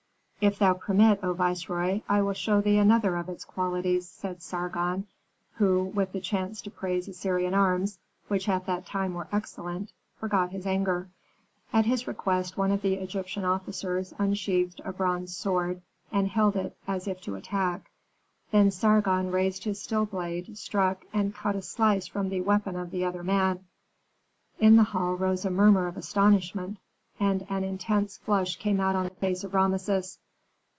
"If thou permit, O viceroy, I will show thee another of its qualities," said Sargon, who, with the chance to praise Assyrian arms, which at that time were excellent, forgot his anger. At his request one of the Egyptian officers unsheathed a bronze sword and held it as if to attack. Then Sargon raised his steel blade, struck and cut a slice from the weapon of the other man. In the hall rose a murmur of astonishment, and an intense flush came out on the face of Rameses.